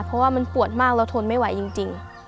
เพราะว่ามันปวดมากเราทนไม่ไหวจริง